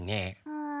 うん？